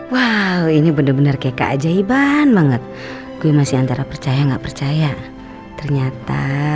wow ini bener bener kayak keajaiban banget gue masih antara percaya nggak percaya ternyata